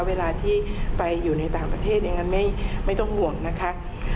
เวลาที่ไปอยู่ในต่างประเทศอย่างนั้นไม่ต้องห่วงนะคะ